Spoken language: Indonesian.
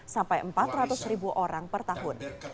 sampai rp empat ratus orang per tahun